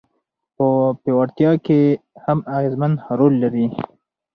په پياوړتيا کي هم اغېزمن رول لري.